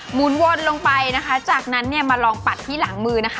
หุนวนลงไปนะคะจากนั้นเนี่ยมาลองปัดที่หลังมือนะคะ